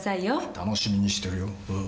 楽しみにしてるようん。